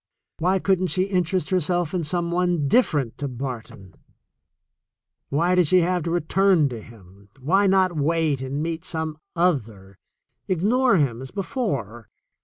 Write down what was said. Why couldn't she interest herself in some one different to Barton ? Why did she have to return to him ? Why not wait and meet some other — ignore him as be fore?